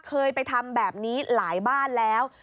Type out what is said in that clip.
เคยไปทำแบบนี้หลายบ้านแล้ว